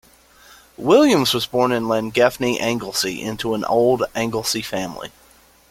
Williams was born in Llangefni, Anglesey into an old landed Anglesey family.